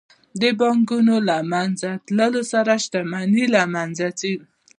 د بانکونو له منځه تلو سره شتمني له منځه ځي